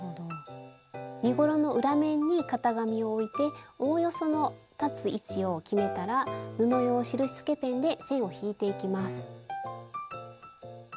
スタジオ身ごろの裏面に型紙を置いておおよその裁つ位置を決めたら布用印つけペンで線を引いていきます。